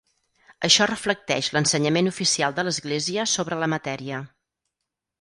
Això reflecteix l'ensenyament oficial de l'Església sobre la matèria.